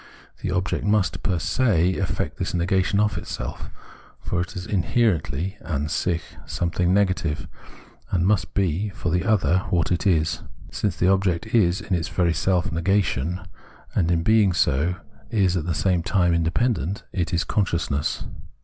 The object must fer se effect this negation of itself, for it is inherently {an sich) something negative, and must be for the other what it is. Since the object is in its very self negation, and in being so is at the same time independent, it is Consciousness.